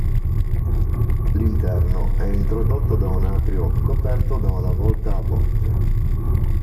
L'interno è introdotto da un atrio coperto da una volta a botte.